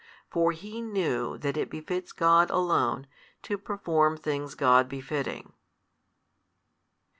For He knew that it befits God Alone to perform things God befitting.